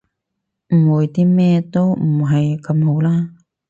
誤會啲咩都唔係咁好啦